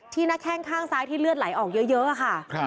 ที่นักแห้งข้างซ้ายที่เลือดไหลออกเยอะแยอะอะคะ